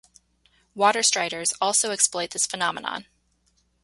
Water striders also exploit this phenomenon.